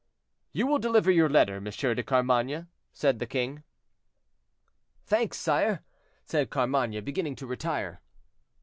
"You will deliver your letter, M. de Carmainges," said the king. "Thanks, sire," said Carmainges, beginning to retire.